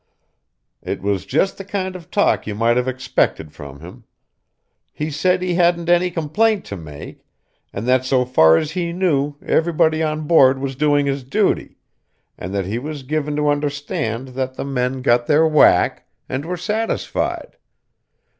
It was just the kind of talk you might have expected from him. He said he hadn't any complaint to make, and that so far as he knew everybody on board was doing his duty, and that he was given to understand that the men got their whack, and were satisfied.